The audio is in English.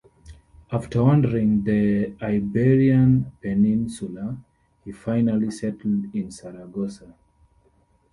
After wandering the Iberian Peninsula, he finally settled in Saragossa.